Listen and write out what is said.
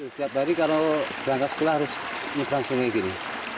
siap dari kalau jangka sekolah harus menyebrang sungai gini